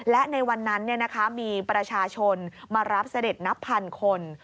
และในวันนั้นมีประชาชนมารับเสด็จนับพันคน